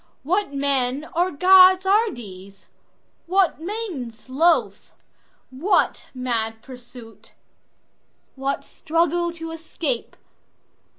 What men or gods are these? What maidens loth? What mad pursuit? What struggle to escape?